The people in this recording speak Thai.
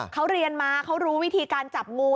เขาเรียนมาเขารู้วิธีการจับงู